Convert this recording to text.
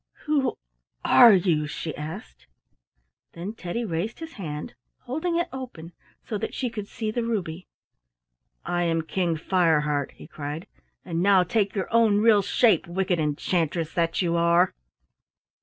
"Who are you?" she asked. Then Teddy raised his hand, holding it open so that she could see the ruby. "I am King Fireheart," he cried; "and now take your own real shape, wicked enchantress that you are."